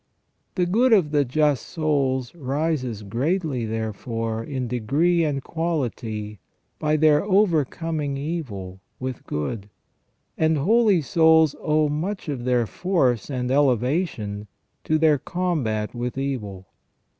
The good of just souls rises greatly, therefore, in degree and quality by their overcoming evil with good ; and holy souls owe much of their force and elevation to their combat with evil.